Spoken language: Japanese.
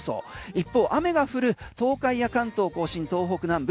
一方雨が降る東海や関東甲信東北南部